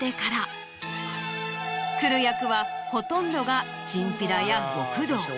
来る役はほとんどがチンピラや極道。